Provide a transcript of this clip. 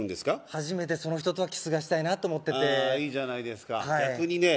初めてその人とはキスがしたいなと思っててあいいじゃないですか逆にね